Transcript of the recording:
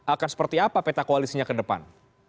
akan seperti apa peta koalisinya ke depan